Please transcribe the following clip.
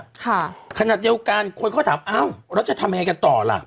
ค่ะขณะเดียวกันคนเขาถามเอ้าเราจะทำไงกันต่อล่ะ